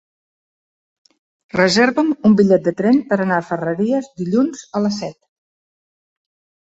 Reserva'm un bitllet de tren per anar a Ferreries dilluns a les set.